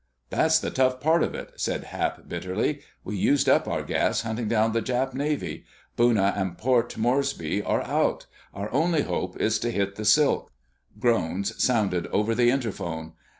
"That's the tough part of it," said Hap bitterly. "We used up our gas hunting down the Jap Navy. Buna and Port Moresby are out! Our only hope is to hit the silk." Groans sounded over the interphone.